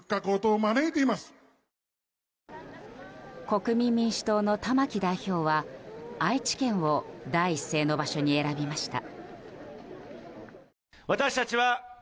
国民民主党の玉木代表は愛知県を第一声の場所に選びました。